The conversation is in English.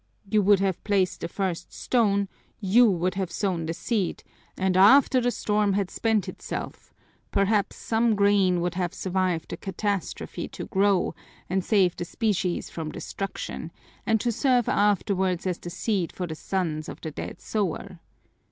You would have placed the first stone, you would have sown the seed, and after the storm had spent itself perhaps some grain would have survived the catastrophe to grow and save the species from destruction and to serve afterwards as the seed for the sons of the dead sower.